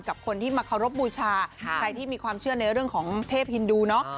กับคนที่มาเคารพบูชาใครที่มีความเชื่อในเรื่องของเทพฮินดูเนาะ